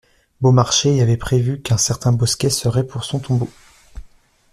Beaumarchais y avait prévu qu'un certain bosquet serait pour son tombeau.